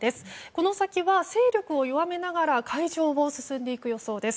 この先は勢力を弱めながら海上を進んでいく予想です。